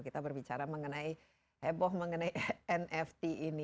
kita berbicara mengenai heboh mengenai nft ini